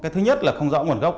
thứ nhất là không rõ